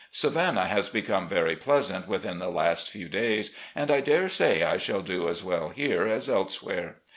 Savannah has become very pleasant within the last few days, and I dare say I shall do as well here as elsewhere.